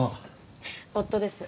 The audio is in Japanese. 夫です。